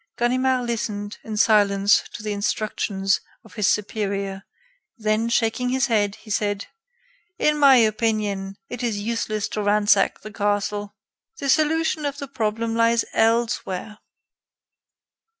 Ganimard listened, in silence, to the instructions of his superior; then, shaking his head, he said: "In my opinion, it is useless to ransack the castle. The solution of the problem lies elsewhere."